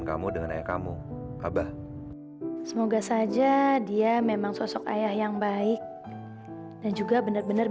sampai jumpa di video selanjutnya